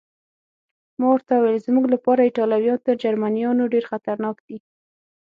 ما ورته وویل: زموږ لپاره ایټالویان تر جرمنیانو ډېر خطرناک دي.